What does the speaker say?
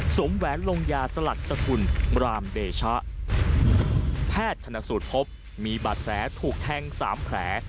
แหวนลงยาสลัดสกุลรามเดชะแพทย์ชนสูตรพบมีบาดแผลถูกแทงสามแผล